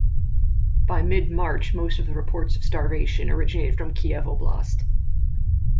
By mid-March, most of the reports of starvation originated from Kiev Oblast.